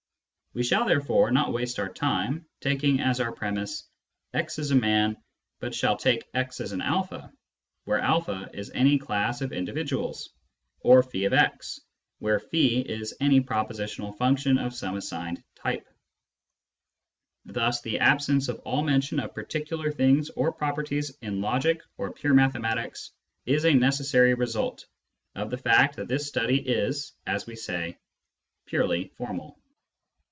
We shall therefore not waste our time taking as our premiss " x is a man " but shall take " x is an a," where a is any class of individuals, or " <f>x " where is any propositional function of some assigned type. Thus the absence of all mention of particular things or properties in logic or pure mathematics is a necessary result of the fact that this study is, as we say, " purely formal."